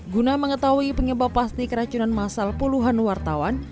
guna mengetahui penyebab pasti keracunan masal puluhan wartawan